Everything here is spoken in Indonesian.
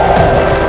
aku sudah menang